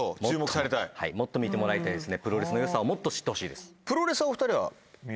もっと見てもらいたいですね。